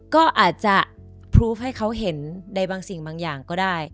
ก็อาจจะพลูฟให้เขาเห็นในบางสิ่งบางอย่างก็ได้